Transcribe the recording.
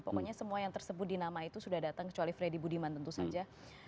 pokoknya semua yang tersebut di nama itu sudah datang kecuali freddy budiman tentu saja